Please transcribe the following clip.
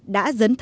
đã giải thích